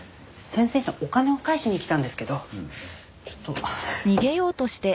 先生にお金を返しに来たんですけどちょっと。